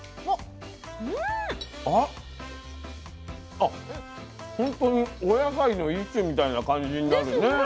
あほんとにお野菜の一種みたいな感じになるね。ですね。